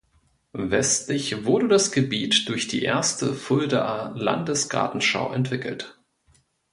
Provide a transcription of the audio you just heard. Westlich wurde das Gebiet durch die erste Fuldaer Landesgartenschau entwickelt.